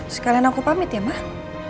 sekalian aku pamit ya bang